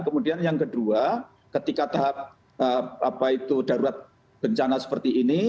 kemudian yang kedua ketika tahap darurat bencana seperti ini